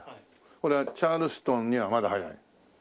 これは「チャールストンにはまだ早い」。